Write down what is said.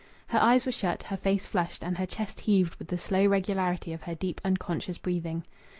Her eyes were shut, her face flushed; and her chest heaved with the slow regularity of her deep, unconscious breathing.